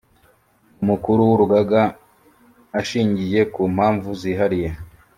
umukuru w’urugaga ashingiye ku mpamvu zihariye